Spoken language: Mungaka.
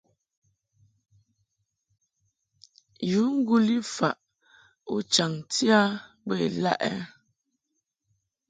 Yu ŋguli faʼ u chaŋti a bə ilaʼ ɛ ?